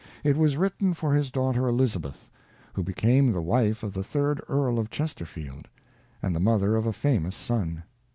It was written for his daughter Elizabeth, who became the wife of the third Earl of Chesterfield, and the mother of a famous son.